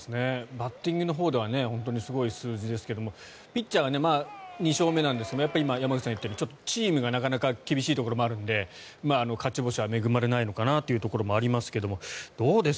バッティングのほうではすごい数字ですがピッチャーは２勝目なんですが今、山口さんが言ったようにチームが厳しいところもあるので勝ち星に恵まれないところもあるのかなと思いますがどうです？